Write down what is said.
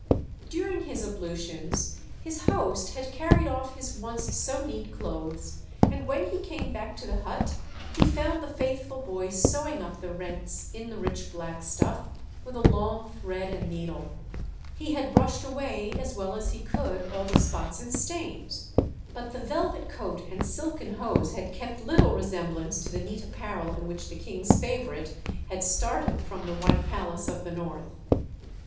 During his ablutions his host had carried off his once so neat clothes, and when he came back to the hut he found the faithful boy sewing up the rents in the rich black stuff with a long thread and needle. He had brushed away, as well as he could, all the spots and stains, but the velvet coat and silken hose had kept little resemblance to the neat apparel in which the King's favourite had started from the white palace of the north.